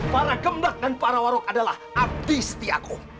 para gemblak dan para waruk adalah abdi setiaku